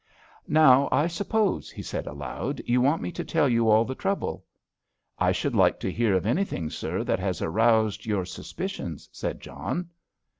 "Now, I suppose," he said aloud, "you want me to tell you all the trouble?" "I should like to hear of anything, sir, that has aroused your suspicions," said John.